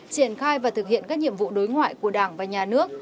triển khai và thực hiện các nhiệm vụ đối ngoại của đảng và nhà nước